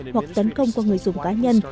hoặc tấn công qua người dùng cá nhân